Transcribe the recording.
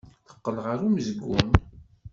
Teqqel ɣer umezgun.